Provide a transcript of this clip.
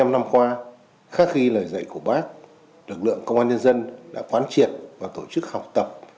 bảy mươi năm năm qua khắc ghi lời dạy của bác lực lượng công an nhân dân đã quán triệt và tổ chức học tập